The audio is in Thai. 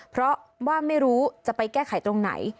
เพราะว่าไม่รู้จะไปแก้ไขตรงไหน